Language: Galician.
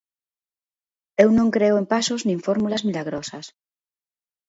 Eu non creo en pasos nin fórmulas milagrosas.